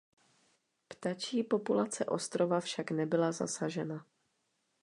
Ptačí populace ostrova však nebyla zasažena.